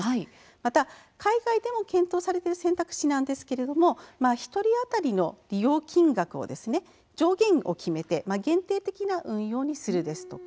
また海外でも検討されている選択肢なんですけれども１人当たりの利用金額の上限を決めて限定的な運用にするですとか